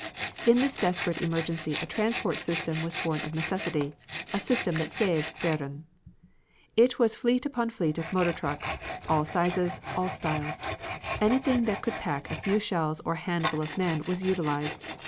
In this desperate emergency a transport system was born of necessity, a system that saved Verdun. It was fleet upon fleet of motor trucks, all sizes, all styles; anything that could pack a few shells or a handful of men was utilized.